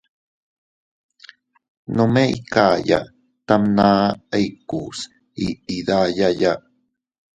Nome iykaya tamʼna ikuus iʼi dayaya.